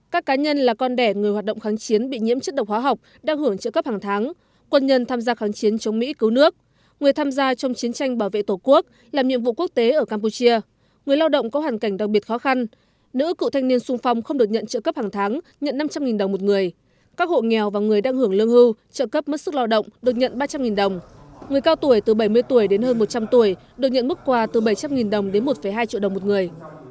các cá nhân là con đẻ người hoạt động kháng chiến bị nhiễm chất độc hóa học đang hưởng trợ cấp hàng tháng quân nhân tham gia kháng chiến chống mỹ cứu nước người tham gia trong chiến tranh bảo vệ tổ quốc làm nhiệm vụ quốc tế ở campuchia người lao động có hoàn cảnh đặc biệt khó khăn nữ cựu thanh niên sung phong không được nhận trợ cấp hàng tháng nhận năm trăm linh đồng một người các hộ nghèo và người đang hưởng lương hưu trợ cấp mất sức lao động được nhận ba trăm linh đồng người cao tuổi từ bảy mươi tuổi đến hơn một trăm linh tuổi được nhận mức quà từ bảy trăm linh đồng đến một hai triệu đồng một người